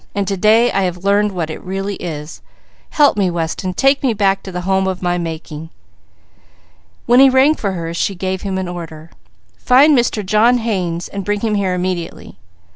And to day I have learned what it really is. Help me, Weston! Take me back to the home of my making." When he rang for her, she gave him an order: "Find Mr. John Haynes and bring him here immediately."